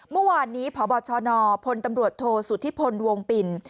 เมื่อวานนี้พชพทจโทศุธิพลวงปลิน